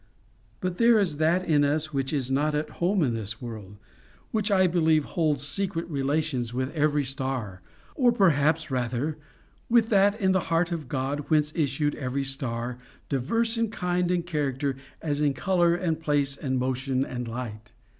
But there is that in us which is not at home in this world, which I believe holds secret relations with every star, or perhaps rather, with that in the heart of God whence issued every star, diverse in kind and character as in colour and place and motion and light.